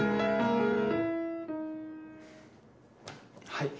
はい。